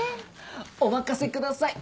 お任せください。